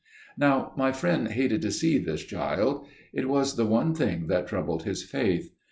"Now my friend hated to see this child. It was the one thing that troubled his faith.